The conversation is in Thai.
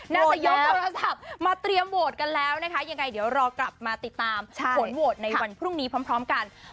นายกโทรศัพท์มาเตรียมโหวตกันแล้วนะคะยังไงเดี๋ยวรอกลับมาติดตามผลโหวตในวันพรุ่งนี้พร้อมกัน